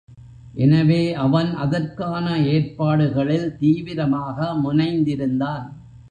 எனவே அவன் அதற்கான ஏற்பாடுகளில் தீவிரமாக முனைந்திருந்தான்.